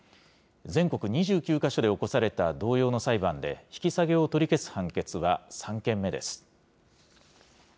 全国２９か所で起こされた同様の裁判で、引き下げを取り消す判決は３件目です。